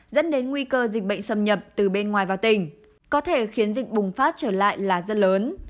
dẫn đến nguy cơ dịch bệnh xâm nhập từ bên ngoài vào tỉnh có thể khiến dịch bùng phát trở lại là rất lớn